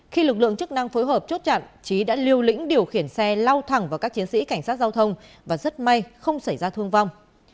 khi lực lượng chức năng phối hợp chốt chặn trí đã liều lĩnh điều khiển xe lau thẳng vào các chiến sĩ cảnh sát giao thông và rất may không xảy ra thương vong